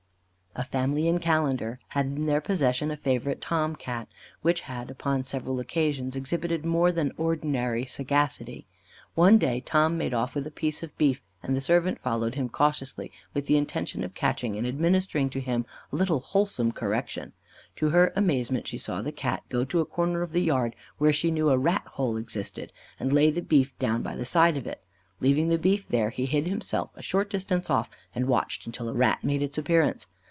A family in Callander had in their possession a favourite Tom Cat, which had, upon several occasions, exhibited more than ordinary sagacity. One day, Tom made off with a piece of beef, and the servant followed him cautiously, with the intention of catching, and administering to him a little wholesome correction. To her amazement, she saw the Cat go to a corner of the yard where she knew a rat hole existed, and lay the beef down by the side of it. Leaving the beef there, he hid himself a short distance off, and watched until a rat made its appearance.